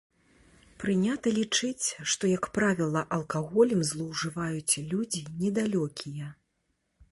Прынята лічыць, што, як правіла, алкаголем злоўжываюць людзі недалёкія.